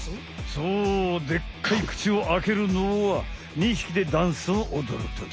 そうでっかい口をあけるのは２ひきでダンスをおどるとき。